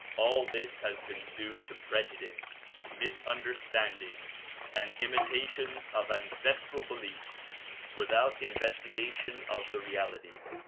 All this has been due to prejudice, misunderstanding, and imitations of ancestral beliefs without investigation of the reality.